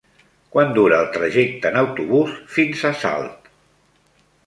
Quant dura el trajecte en autobús fins a Salt?